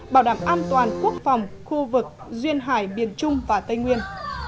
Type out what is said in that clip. bảo đảm an toàn quốc phòng khu vực duyên hải miền trung và tây nguyên